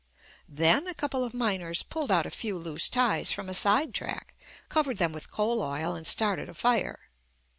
Then a couple of miners pulled out a few loose ties from a side track, covered them with coal oil, and started a fire.